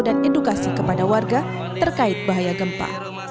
dan edukasi kepada warga terkait bahaya gempa